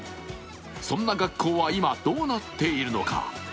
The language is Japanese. そんな学校は今、どうなっているのか。